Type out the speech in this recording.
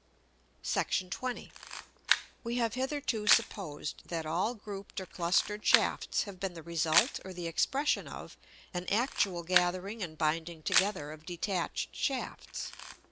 § XX. We have hitherto supposed that all grouped or clustered shafts have been the result or the expression of an actual gathering and binding together of detached shafts.